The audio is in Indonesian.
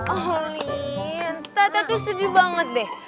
oh lin tata tuh sedih banget deh